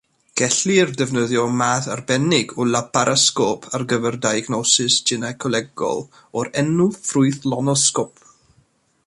Gellir defnyddio math arbennig o laparasgop ar gyfer diagnosis gynaecolegol, o'r enw ffrwythlonosgop.